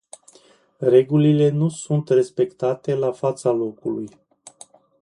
Regulile nu sunt respectate la fața locului.